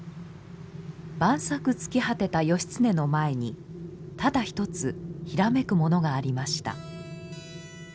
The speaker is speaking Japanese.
万策尽き果てた義経の前にただ一つひらめくものがありました。